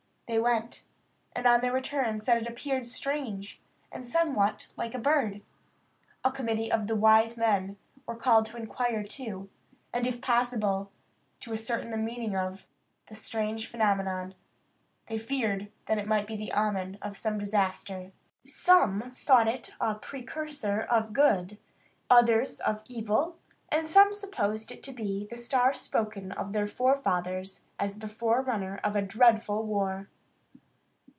They went, and on their return said it appeared strange, and somewhat like a bird. A committee of the wise men were called to inquire into, and if possible to ascertain the meaning of, the strange phenomenon. They feared that it might be the omen of some disaster. Some thought it a precursor of good, others of evil; and some supposed it to be the star spoken of by their forefathers as the forerunner of a dreadful war.